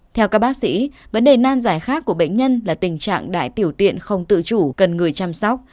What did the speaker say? theo các bác sĩ vấn đề nan giải khác của bệnh nhân là tình trạng đại tiểu tiện không tự chủ cần người chăm sóc